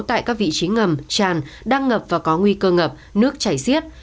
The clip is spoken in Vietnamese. tại các vị trí ngầm tràn đang ngập và có nguy cơ ngập nước chảy xiết